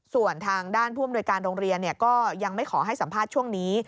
ส่วนทางด้านผู้อำนวยการโรงเรียนก็ยังไม่ขอให้สัมภาษณ์ช่วงนี้